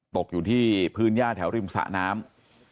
ตกอยู่ที่พื้นย่าแถวริมสะน้ำ